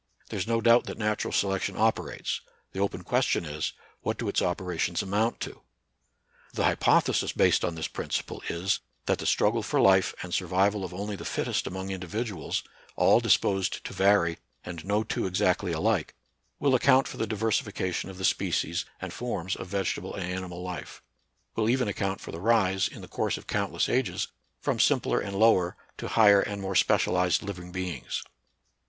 There is no doubt that natural selection oper ates ; the open question is, what do its opera tions amount to. The hypothesis based on this principle is, that the struggle for life and survival of only the fittest among individu als, all disposed to vary and no two exactly alike, will account for the diversification of the species and forms of vegetable and ani NATURAL SCIENCE AND RELIGION. 47 mal life, — will even account for the rise, in the course of countless ages,, from simpler and lower to higher and more specialized living beings.